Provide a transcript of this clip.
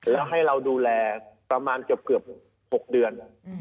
แล้วให้เราดูแลประมาณเกือบ๖เดือน